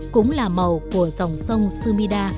cũng là màu của dòng sông sumida